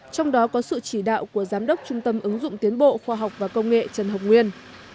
trong đó có sự chỉ đạo của giám đốc trung tâm ứng dụng tiến bộ khoa học và công nghệ trần hồng nguyên